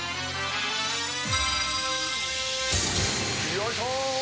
よいしょ。